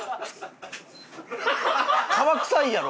革臭いやろ？